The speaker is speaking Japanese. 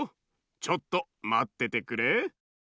ちょっとまっててくれ。